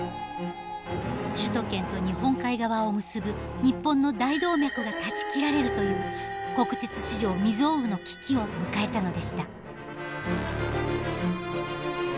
首都圏と日本海側を結ぶ日本の大動脈が断ち切られるという国鉄史上未曽有の危機を迎えたのでした。